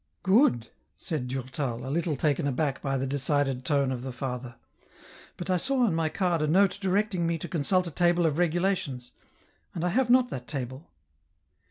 " Good," said Durtal, a little taken aback by the decided tone of the Father, " but I saw on my card a note directing me to consult a table of regulations, and I have not that table."